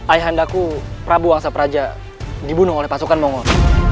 ayah anda aku prabu wangsa peraja dibunuh oleh pasukan mongol